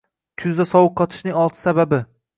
Kuzda sovuq qotishningoltisababi